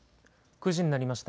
９時になりました。